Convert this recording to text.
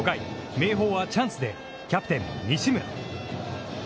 明豊はチャンスで、キャプテン西村。